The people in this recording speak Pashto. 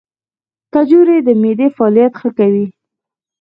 کجورې د معدې فعالیت ښه کوي.